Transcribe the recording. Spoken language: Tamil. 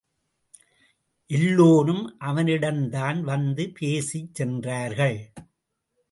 எல்லோரும் அவனிடம்தான் வந்து பேசிச் சென்றார்கள்.